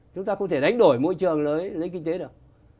chúng ta không thể đánh đổi môi trường lấy kinh tế được